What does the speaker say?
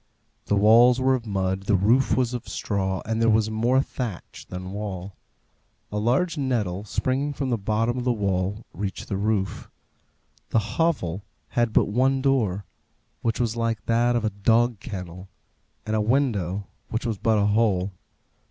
The walls were of mud, the roof was of straw, and there was more thatch than wall. A large nettle, springing from the bottom of the wall, reached the roof. The hovel had but one door, which was like that of a dog kennel; and a window, which was but a hole.